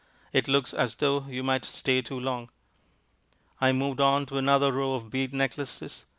It looks as though you might stay too long. I moved on to another row of bead necklaces.